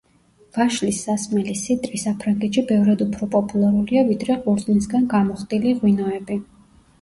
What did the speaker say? ვაშლის სასმელი სიდრი საფრანგეთში ბევრად უფრო პოპულარულია, ვიდრე ყურძნისგან გამოხდილი ღვინოები.